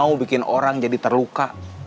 mau bikin orang jadi terluka